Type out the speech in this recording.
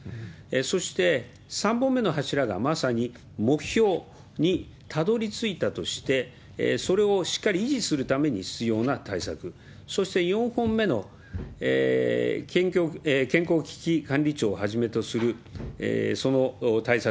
そして、３本目の柱が、まさに目標にたどりついたとして、それをしっかり維持するために必要な対策、そして４本目の健康危機管理庁をはじめとするその対策。